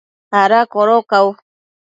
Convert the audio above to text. ¿ ada codocau?